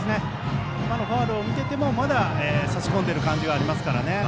今のファウルを見ていてもまだ差し込んでいる感じがありますからね。